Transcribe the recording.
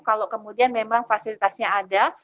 kalau kemudian memang fasilitasnya ada